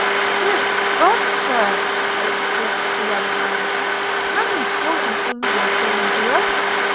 'Good God! Sir,' exclaimed the young man, 'can you call an angel dangerous?